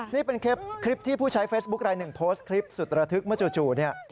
นี่เป็นคลิปที่ผู้ใช้เฟซบุ๊คลายหนึ่งโพสต์คลิปสุดระทึกเมื่อจู่เนี่ย